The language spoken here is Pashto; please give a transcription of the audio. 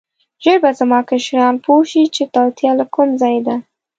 ژر به زما کشران پوه شي چې توطیه له کوم ځایه ده.